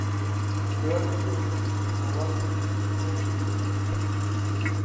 Ciudad cuyo probable origen sea griego.